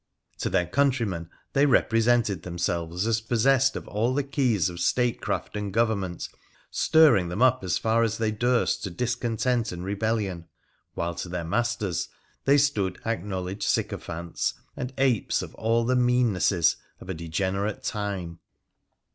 To their countrymen they represented themselves as possessed of all the keys of statecraft and government, stirring them up as far as they durst to discontent and rebellion, while to their masters they stood acknowledged sycophants and apes of all the meannesses of a degenerate time.